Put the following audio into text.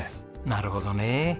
なるほどね。